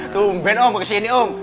tumben om mau kesini om